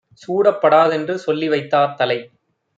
சூடப் படாதென்று சொல்லிவைத் தார்தலை